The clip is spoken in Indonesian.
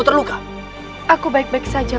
tidak ada yang bisa dikawal